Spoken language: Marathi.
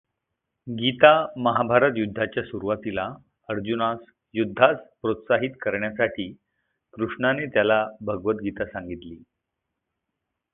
गीता महाभारत युद्धाच्या सुरुवातीला अर्जुनास युद्धास प्रोत्साहित करण्यासाठी कृष्णाने त्याला भगवद् गीता सांगितली.